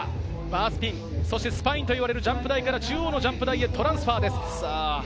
バースピン、そしてスパインと呼ばれるジャンプ台から中央のジャンプ台へトランスファーです。